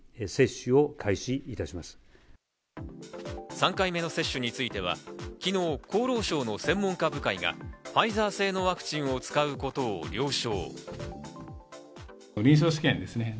３回目の接種については昨日、厚労省の専門家部会がファイザー製のワクチンを使うことを了承。